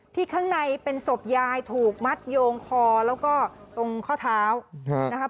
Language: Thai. ข้างในเป็นศพยายถูกมัดโยงคอแล้วก็ตรงข้อเท้านะครับ